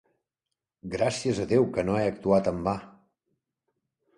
Gràcies a Déu que no he actuat en va!